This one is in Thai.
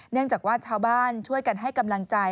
เนื่องจากว่าชาวบ้านช่วยกันให้กำลังใจ